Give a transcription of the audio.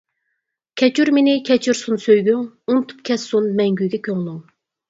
كەچۈر مېنى كەچۈرسۇن سۆيگۈڭ، ئۇنتۇپ كەتسۇن مەڭگۈگە كۆڭلۈڭ.